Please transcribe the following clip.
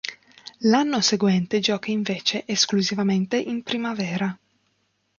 L'anno seguente gioca invece esclusivamente in Primavera.